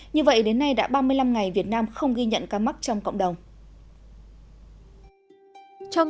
như vậy đến nay đã ba mươi năm ngày việt nam không ghi nhận ca mắc trong cộng đồng